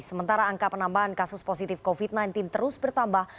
sementara angka penambahan kasus positif covid sembilan belas terus bertambah